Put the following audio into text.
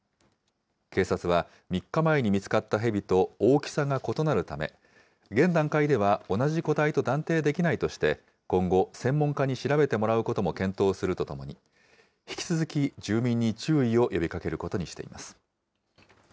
警察は、３日前に見つかったヘビと大きさが異なるため、現段階では同じ個体と断定できないとして、今後、専門家に調べてもらうことも検討するとともに、引き続き、住民に注意を呼びかけることにしています。